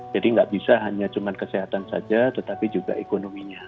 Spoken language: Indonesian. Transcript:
jadi nggak bisa hanya cuman kesehatan saja tetapi juga ekonominya